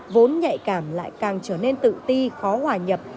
vốn nhạy cảm lại càng trở nên tự ti khó hòa nhập